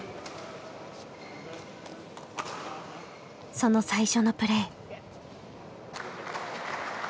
その最初のプレー。